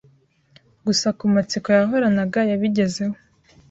Gusa ku matsiko yahoranaga yabigezeho